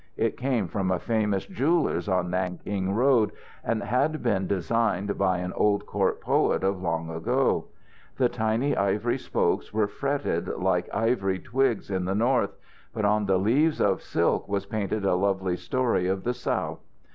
It came from a famous jeweller's on Nanking Road, and had been designed by an old court poet of long ago. The tiny ivory spokes were fretted like ivy twigs in the North, but on the leaves of silk was painted a love story of the South.